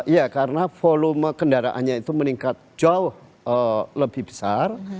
ya karena volume kendaraannya itu meningkat jauh lebih besar